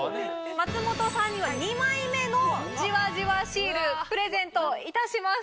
松本さんには２枚目のじわじわシールプレゼントいたします！